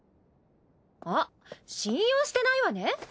あっ信用してないわね。